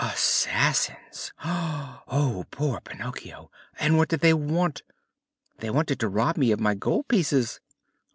"Assassins! Oh, poor Pinocchio! And what did they want?" "They wanted to rob me of my gold pieces."